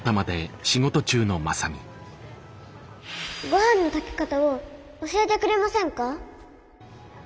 ごはんの炊き方を教えてくれませんか？